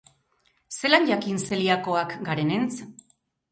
Zelan jakin zeliakoak garenentz?